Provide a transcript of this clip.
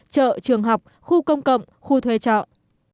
chợ trường học khu công cộng khu thuê trọng